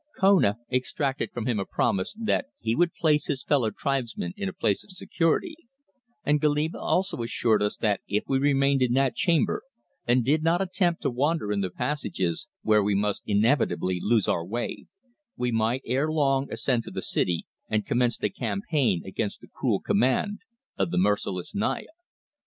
Kona extracted from him a promise that he would place his fellow tribesmen in a place of security, and Goliba also assured us that if we remained in that chamber and did not attempt to wander in the passages, where we must inevitably lose our way, we might ere long ascend to the city and commence the campaign against the cruel command of the merciless Naya.